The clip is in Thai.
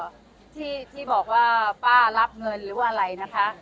ก็อยากจะบอกนะคะว่าที่บอกว่าป้ารับเงินหรือว่าอะไรนะคะ